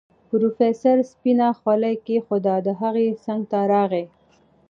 پروفيسر سپينه خولۍ کېښوده د هغه څنګ ته راغی.